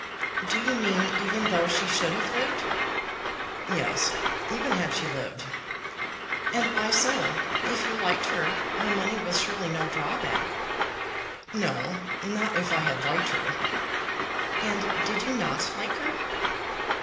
"Do you mean even though she should have lived?" "Yes; even had she lived." "And why so? If you liked her, her money was surely no drawback." "No; not if I had liked her." "And did you not like her?"